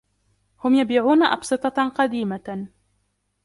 هم يبيعون أبسطة قديمة.